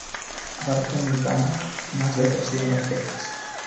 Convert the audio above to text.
Aparece en el Tanaj más de trescientas veces.